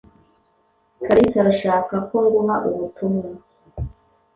Kalisa arashaka ko nguha ubutumwa.